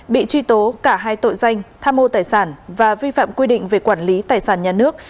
bị truy tố cả hai tội danh tham mô tài sản và vi phạm quy định về quản lý tài sản nhà nước